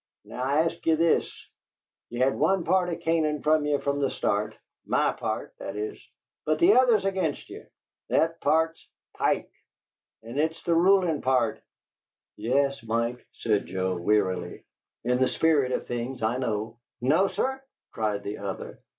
Now I ask ye this: ye've had one part of Canaan with ye from the start, MY part, that is; but the other's against ye; that part's PIKE, and it's the rulin' part " "Yes, Mike," said Joe, wearily. "In the spirit of things. I know." "No, sir," cried the other.